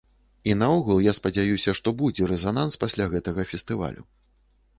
І наогул, я спадзяюся, што будзе рэзананс пасля гэтага фестывалю.